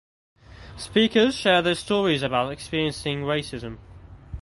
Speakers shared their stories about experiencing racism.